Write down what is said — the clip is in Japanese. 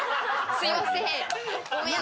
すいません。